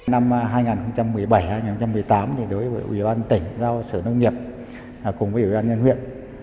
năm hai nghìn một mươi bảy hai nghìn một mươi tám đối với ủy ban tỉnh giao sở nông nghiệp cùng với ủy ban nhân huyện